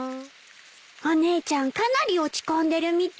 お姉ちゃんかなり落ち込んでるみたい。